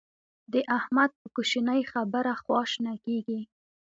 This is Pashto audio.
د احمد په کوشنۍ خبره خوا شنه کېږي.